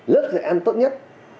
lớp dạy ăn tốt nhất